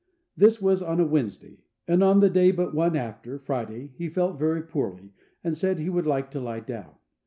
This was on a Wednesday, and the day but one after, Friday, he felt very poorly, and said he would like to lie down.